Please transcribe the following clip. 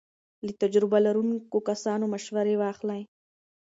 له تجربو لرونکو کسانو مشورې واخلئ.